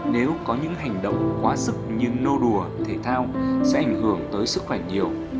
nếu có những hành động quá sức như nô đùa thể thao sẽ ảnh hưởng tới sức khỏe nhiều